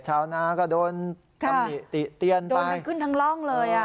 ชาวนาก็โดนทำเหตุเตียนไปโดนมันขึ้นทั้งร่องเลย